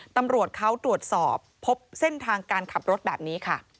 ตำรวจเขาตรวจสอบพบเส้นทางการขับรถแบบนี้ค่ะ